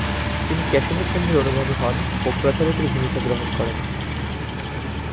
তিনি কেশবচন্দ্রের অনুগামী হন ও প্রচারকের ভূমিকা গ্রহণ করেন ।